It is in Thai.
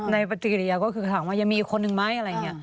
ในปฏิกิริยาการก็ถามว่ายังมีอีกคนหนึ่งไหม